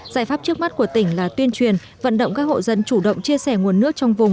giải pháp trước mắt của tỉnh là tuyên truyền vận động các hộ dân chủ động chia sẻ nguồn nước trong vùng